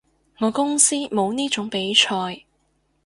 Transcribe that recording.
我公司冇呢種比賽